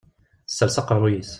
Tessers aqerruy-is.